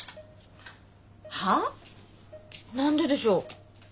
は？何ででしょう？